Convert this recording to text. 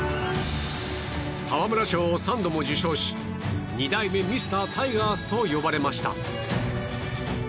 沢村賞を３度も受賞し２代目ミスタータイガースと呼ばれました。